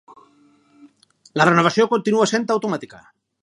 La renovació continua sent automàtica.